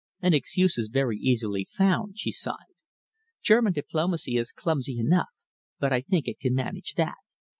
"An excuse is very easily found," she sighed. "German diplomacy is clumsy enough, but I think it can manage that.